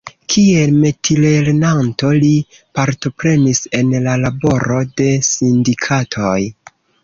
Kiel metilernanto li partoprenis en la laboro de sindikatoj.